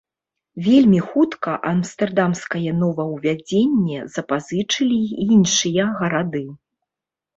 Вельмі хутка амстэрдамскае новаўвядзенне запазычылі і іншыя гарады.